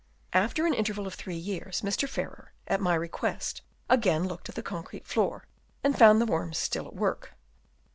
After an interval of three years, Mr. Farrer, at my request, again looked at the concrete floor, and found the worms still at work.